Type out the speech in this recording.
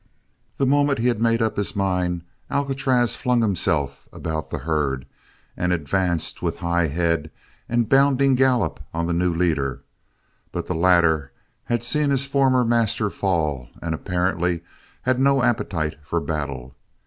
The moment he had made up his mind, Alcatraz flung himself about the herd and advanced with high head and bounding gallop on the new leader; but the latter had seen his former master fall and apparently had no appetite for battle.